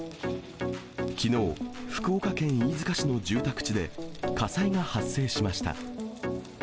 きのう、福岡県飯塚市の住宅地で火災が発生しました。